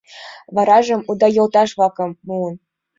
Варажым уда йолташ-влакым муым.